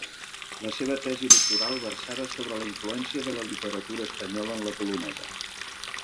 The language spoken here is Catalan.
La seva tesi doctoral versava sobre la influència de la literatura espanyola en la polonesa.